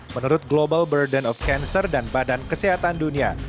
menurut global burden of cancer dan badan kesehatan dunia